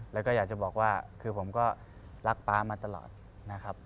แล้วก็อยากจะบอกว่าคือผมก็รักป๊ามาตลอดนะครับ